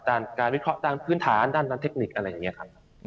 การวิเคราะห์ตามพื้นฐานด้านเทคนิคอะไรอย่างนี้ครับ